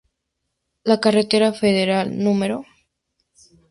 La carretera federal No.